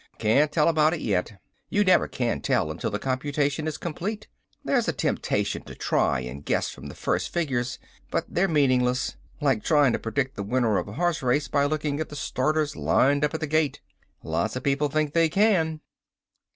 "Can't tell about it yet. You never can until the computation is complete. There's a temptation to try and guess from the first figures, but they're meaningless. Like trying to predict the winner of a horse race by looking at the starters lined up at the gate." "Lots of people think they can."